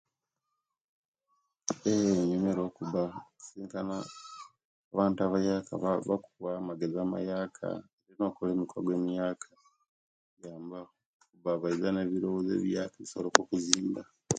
Yee enyimira okuba insisinkana abantu abayaka ba bakuwa amagezi amayaka no okukola emikwago emiyaka jamba kuba baiza na nebirowoozo biyaka ebisobola okuzimba